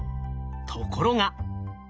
ところが。